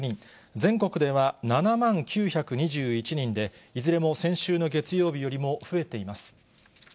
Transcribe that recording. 全国では７万９２１人で、いずれも先週の月曜日よりも増えています。